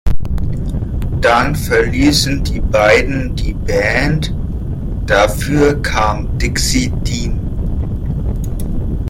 Dann verließen die beiden die Band, dafür kam Dixie Dean.